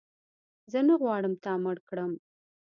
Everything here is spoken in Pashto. زه نه غواړم تا مړ کړم